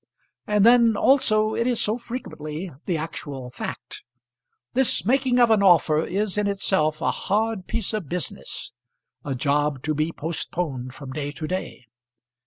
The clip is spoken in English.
And then, also, it is so frequently the actual fact. This making of an offer is in itself a hard piece of business, a job to be postponed from day to day.